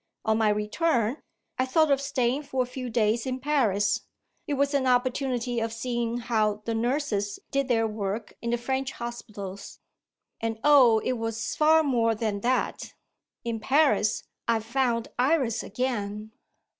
On my return, I thought of staying for a few days in Paris it was an opportunity of seeing how the nurses did their work in the French hospitals. And, oh, it was far more than that! In Paris, I found Iris again."